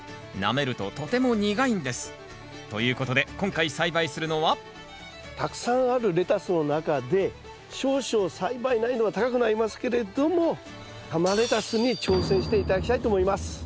なめるととても苦いんです。ということで今回栽培するのはたくさんあるレタスの中で少々栽培難易度は高くなりますけれども玉レタスに挑戦して頂きたいと思います。